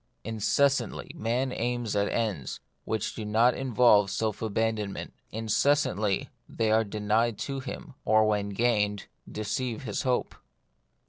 Incessantly man aims at ends which do not involve self abandonment ; in cessantly they are denied to him; or, when gained, deceive his hope.